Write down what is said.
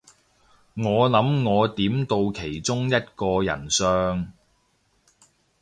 我諗我點到其中一個人相